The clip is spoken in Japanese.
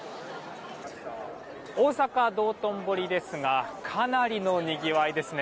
大阪・道頓堀ですがかなりのにぎわいですね。